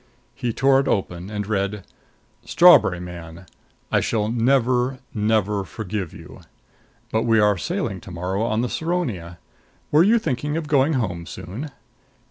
He tore it open and read: STRAWBERRY MAN: I shall never, never forgive, you. But we are sailing tomorrow on the Saronia. Were you thinking of going home soon?